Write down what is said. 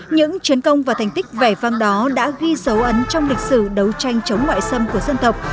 những chiến công và thành tích vẻ vang đó đã ghi dấu ấn trong lịch sử đấu tranh chống ngoại xâm của dân tộc